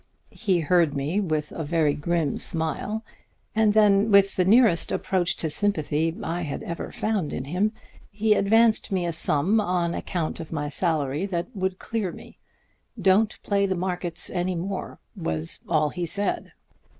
He heard me with a very grim smile, and then, with the nearest approach to sympathy I had ever found in him, he advanced me a sum on account of my salary that would clear me. 'Don't play the markets any more,' was all he said.